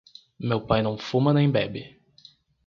Meu pai não fuma nem bebe.